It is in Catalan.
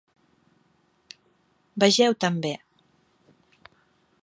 "Vegeu també"